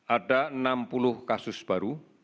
ada enam puluh kasus baru